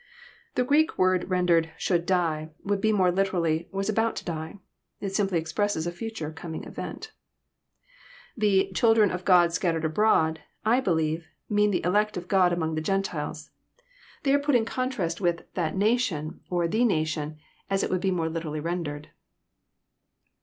The Greek word rendered "should die," would be more literally, " was about to die." It simply expresses a future coming event. The "children of God scattered abroad," I believe, mean tl^e elect of God among the Gentiles. They are put in contrast 302 EXPOSITORY THOUGHTS. with <* that nation," or '* the nation, as it wonld be more liter ally rendered.